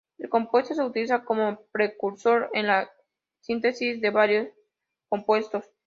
El compuesto se utiliza como precursor en la síntesis de varios compuestos.